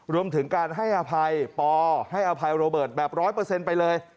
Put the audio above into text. รวมถึงการให้อภัยปอให้อภัยโรเบิร์ตแบบ๑๐๐ไปเลย